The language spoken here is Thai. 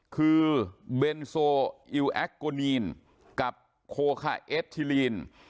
คือเบนโซอิวแอคโกนีนกับโคคาเอสทีลีน